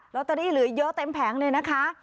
แล้วตอนนี้หรือเยอะเต็มแผงเลยนะคะ